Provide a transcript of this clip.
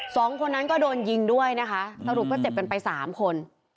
สองคนนั้นก็โดนยิงด้วยนะคะสรุปก็เจ็บกันไปสามคน